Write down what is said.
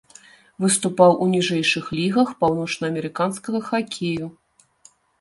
Выступаў у ніжэйшых лігах паўночнаамерыканскага хакею.